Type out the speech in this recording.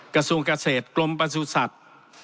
กระทรวงเกษตรกลมประสุทธิ์สัตว์